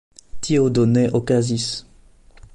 Tio do ne okazis.